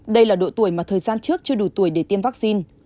đây là độ tuổi mà thời gian trước chưa đủ tuổi để tiêm vaccine